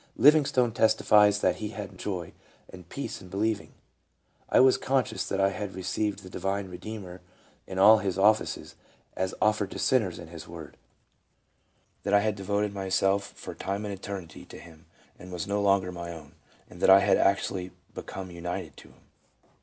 Livingstone testifies that he had joy and peace in believing :" I was conscious that I had received the divine Redeemer in all Hisoffices, as offered to sinners in His Word ; that I had devoted myself, for time and eternity, to Him, and was no longer my own ; and that I had actually become united to Him.